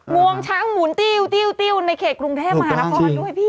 งวงช้างหมุนติ้วในเขตกรุงแท่มหาละครด้วยพี่